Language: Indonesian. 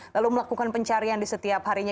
lalu melakukan pencarian di setiap harinya